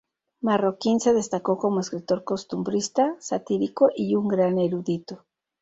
Marroquín se destacó como escritor costumbrista, satírico y un gran erudito.